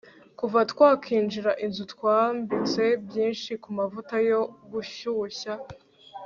kuva twakingira inzu twabitse byinshi kumavuta yo gushyushya